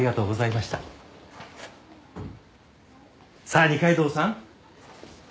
さあ二階堂さん